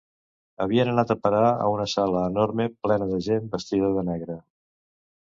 Havien anat a parar a una sala enorme plena de gent vestida de negre.